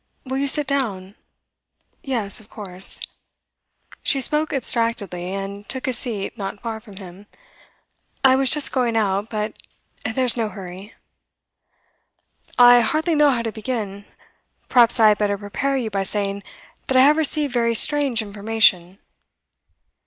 Will you sit down?' 'Yes, of course.' She spoke abstractedly, and took a seat not far from him. 'I was just going out, but there's no hurry.' 'I hardly know how to begin. Perhaps I had better prepare you by saying that I have received very strange information.